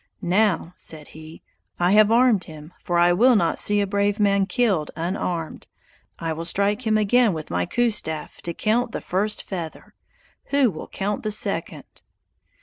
"Now," said he, "I have armed him, for I will not see a brave man killed unarmed. I will strike him again with my coup staff to count the first feather; who will count the second?"